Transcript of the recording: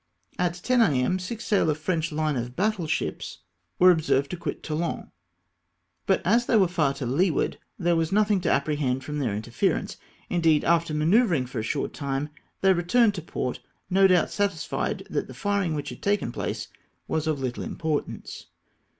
At 10 A.T\i. six sail of French line of battle ships were I 2 276 THE FRENCH FLEET. observed to quit Toulon, but as they were far to leeward, there was nothing to apprehend from their interference ; indeed after manoeuvring for a short time, they returned to port, no doubt satisfied that the firing wliich had taken place was of Kttle importance.